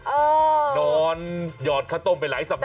เออนอนหยอดคตมไปหลายสัปดาห์